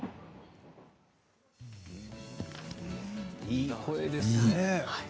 いい声ですね。